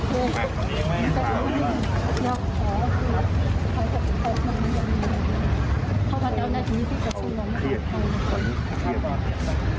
พี่ท่าช่วยหน่อย